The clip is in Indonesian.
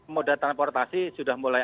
moda transportasi sudah mulai